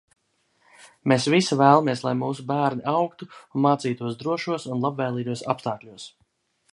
Mēs visi vēlamies, lai mūsu bērni augtu un mācītos drošos un labvēlīgos apstākļos.